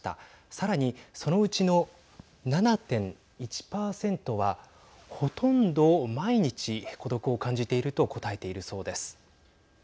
さらに、そのうちの７．１％はほとんど毎日孤独を感じていると答えているそうです。